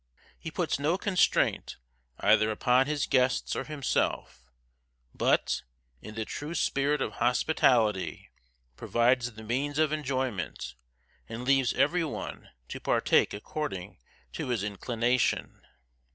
He puts no constraint, either upon his guests or himself, but, in the true spirit of hospitality, provides the means of enjoyment, and leaves every one to partake according to his inclination.